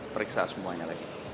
periksa semuanya lagi